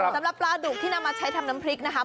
สำหรับปลาดุกที่นำมาใช้ทำน้ำพริกนะคะ